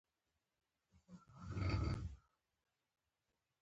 زما د پکتیکا د خلکو لهجه ډېره خوښیږي.